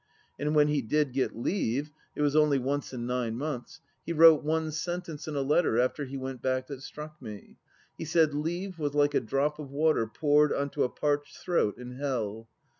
And when he did get leave — it was only once in nine months — he wrote one sentence in a letter after he went back that struck me. He said Leave was like a drop of water poured on to a parched throat in Hell.